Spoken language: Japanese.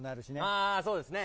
あー、そうですね。